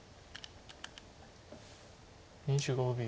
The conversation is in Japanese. ２５秒。